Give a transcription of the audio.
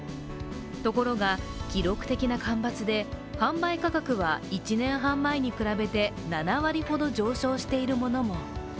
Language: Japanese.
ところが、記録的な干ばつで販売価格は１年半前に比べて７割ほど上昇しているものも。